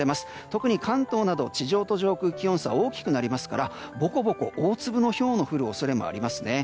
特に関東など地上と上空の気温差が大きくなりますからぼこぼこ大粒のひょうも降る恐れもありますね。